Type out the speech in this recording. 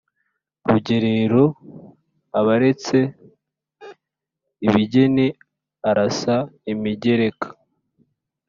Rugerero aberetse ibigeni Arasa imigereka